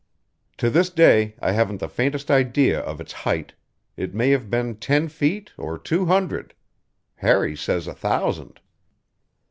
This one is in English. To this day I haven't the faintest idea of its height; it may have been ten feet or two hundred. Harry says a thousand.